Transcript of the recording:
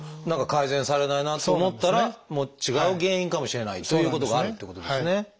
何か改善されないなと思ったら違う原因かもしれないということがあるってことですね。